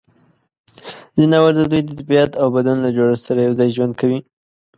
ځناور د دوی د طبعیت او بدن له جوړښت سره یوځای ژوند کوي.